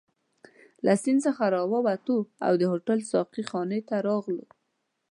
له سیند څخه راووتو او د هوټل ساقي خانې ته راغلو.